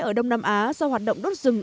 ở đông nam á do hoạt động đốt rừng